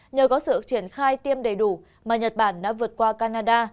nhờ có sự triển khai tiêm đầy đủ mà nhật bản đã vượt qua canada